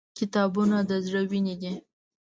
• کتابونه د زړه وینې دي.